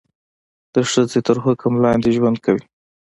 د ښځې تر حکم لاندې ژوند کوي.